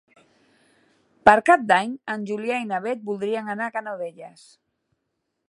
Per Cap d'Any en Julià i na Beth voldrien anar a Canovelles.